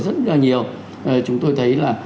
rất là nhiều chúng tôi thấy là